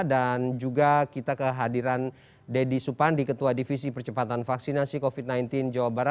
dan juga kita kehadiran deddy supan di ketua divisi percepatan vaksinasi covid sembilan belas jawa barat